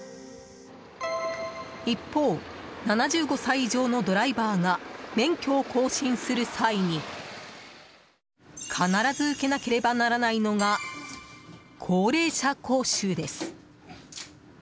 一方、７５歳以上のドライバーが免許を更新する際に必ず受けなければならないのが高齢者講習です。